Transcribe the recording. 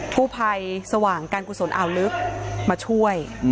ผู้ภัยสว่างการกุศลอ่าวลึกมาช่วย